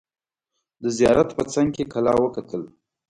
د زیارت په څنګ کې کلا وکتل.